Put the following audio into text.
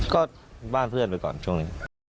ก็บ้านเพื่อนไปก่อนช่วงนี้